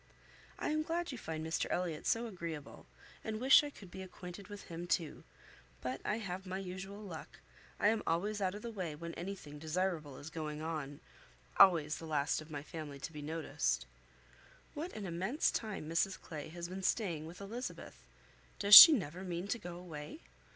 I am glad you find Mr Elliot so agreeable, and wish I could be acquainted with him too; but I have my usual luck: I am always out of the way when any thing desirable is going on; always the last of my family to be noticed. What an immense time Mrs Clay has been staying with Elizabeth! Does she never mean to go away?